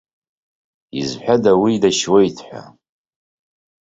Изҳәада уи дашьуеит ҳәа.